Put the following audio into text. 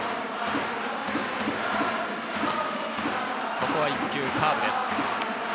ここは１球、カーブです。